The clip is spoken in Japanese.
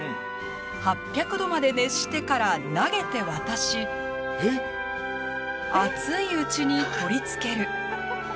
８００度まで熱してから投げて渡し熱いうちに取り付ける。